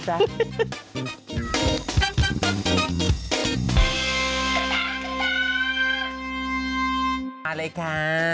มาเลยค่ะ